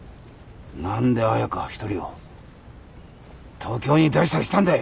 何で彩佳一人を東京に出したりしたんだい！